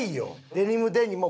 デニムデニム。